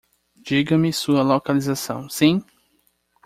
Diga-me sua localização, sim?